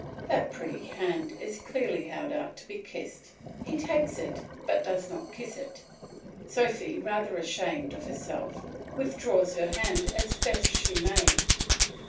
That pretty hand is clearly held out to be kissed; he takes it but does not kiss it. Sophy, rather ashamed of herself, withdraws her hand as best she may.